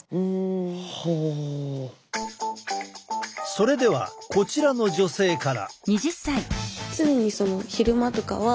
それではこちらの女性から。